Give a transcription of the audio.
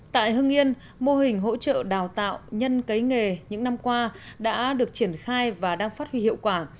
tại hưng yên mô hình hỗ trợ đào tạo nhân cấy nghề những năm qua đã được triển khai và đang phát huy hiệu quả